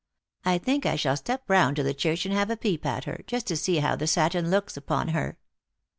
I think I shall step round to the church and have a peep at her, just to see how the satin looks upon her."